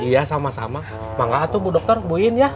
iya sama sama makasih bu dokter buin ya